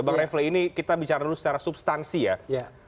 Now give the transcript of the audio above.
bang refli ini kita bicara dulu secara substansi ya